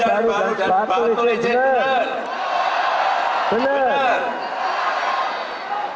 yang kedua juga ingin jalan baru antara banjarmasin dan batu rijet